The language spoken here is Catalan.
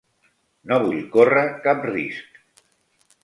No vull córrer cap risc.